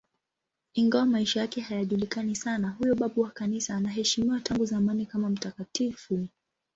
Ingawa maisha yake hayajulikani sana, huyo babu wa Kanisa anaheshimiwa tangu zamani kama mtakatifu.